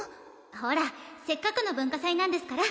ほらせっかくの文化祭なんですから